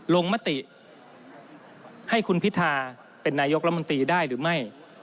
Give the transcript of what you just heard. ลงมติให้คุณพิธาเป็นนายกรัฐมนตรีได้หรือไม่